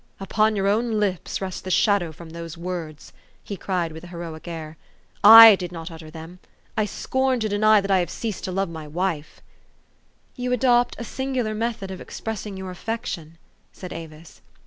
'' Upon your own lips rest the shadow from those words !" he cried with an heroic air. ''/ did not utter them. I scorn to deny that I have ceased to love my wife." " You adopt a singular method of expressing your affection," said Avis.